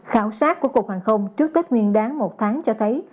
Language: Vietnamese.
khảo sát của cục hàng không trước tết nguyên đáng một tháng cho thấy